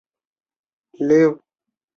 韦尔特里厄。